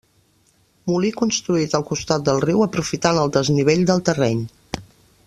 Molí construït al costat del riu, aprofitant el desnivell del terreny.